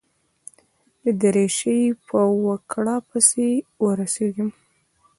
د درېشۍ په وکړه پسې به ورسېږم.